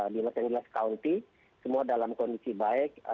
di los angeles aunty semua dalam kondisi baik